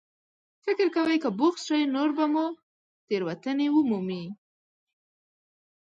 فکر کوئ که بوخت شئ، نور به مو تېروتنې ومومي.